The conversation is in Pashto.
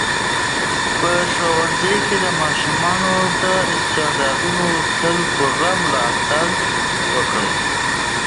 په ښوونځي کې د ماشومانو د استعدادونو تل پوره ملاتړ وکړئ.